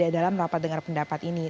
dalam rapat dengar pendapat ini